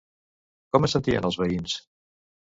Com es sentien els veïns?